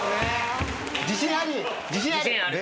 自信あり？